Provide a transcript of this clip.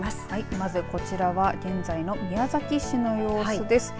まずこちらは現在の宮崎市の様子です。